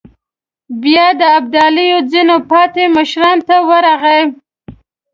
بيا د ابداليو ځينو پاتې مشرانو ته ورغی.